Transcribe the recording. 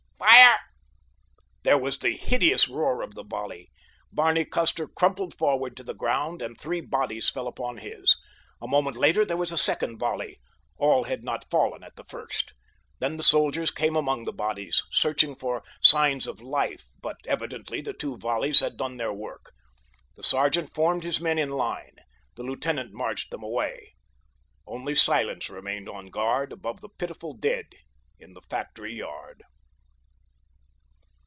"Fire!" There was the hideous roar of the volley. Barney Custer crumpled forward to the ground, and three bodies fell upon his. A moment later there was a second volley—all had not fallen at the first. Then the soldiers came among the bodies, searching for signs of life; but evidently the two volleys had done their work. The sergeant formed his men in line. The lieutenant marched them away. Only silence remained on guard above the pitiful dead in the factory yard.